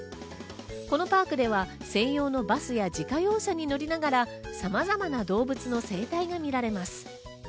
このパークでは専用のバスや自家用車に乗りながら、様々な動物の生態が見られます。